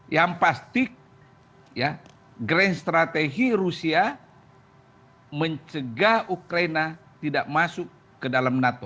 yang pasti grand strategi rusia mencegah ukraina tidak masuk ke dalam nato